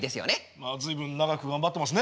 まあ随分長く頑張ってますね